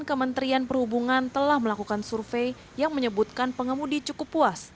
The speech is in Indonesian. kementerian perhubungan telah melakukan survei yang menyebutkan pengemudi cukup puas